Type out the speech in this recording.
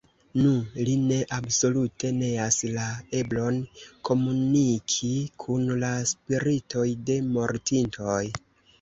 Nu, li ne absolute neas la eblon komuniki kun la spiritoj de mortintoj.